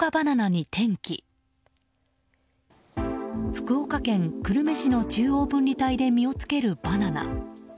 福岡県久留米市の中央分離帯に実をつけるバナナ。